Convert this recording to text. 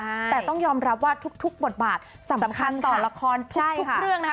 แต่ต้องยอมรับว่าทุกทุกบทบาทสำคัญต่อละครทุกเรื่องนะคะ